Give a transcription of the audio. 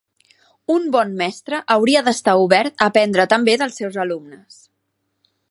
Un bon mestre hauria d'estar obert a aprendre també dels seus alumnes.